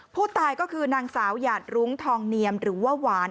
ผู้ตายก็คือนางสาวหยาดรุ้งทองเนียมหรือว่าหวาน